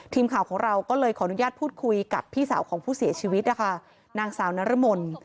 ทีมข่าวของเราก็เลยขออนุญาตพูดคุยกับพี่สาวของผู้เสียชีวิตนะคะนางสาวนรมน